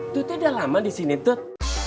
tutnya udah lama di sini tut